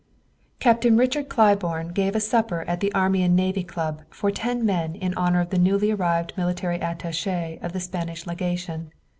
Captain Richard Claiborne gave a supper at the Army and Navy Club for ten men in honor of the newly arrived military attaché of the Spanish legation.